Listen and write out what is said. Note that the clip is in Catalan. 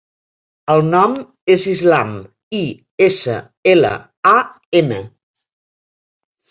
El nom és Islam: i, essa, ela, a, ema.